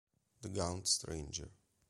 The Gaunt Stranger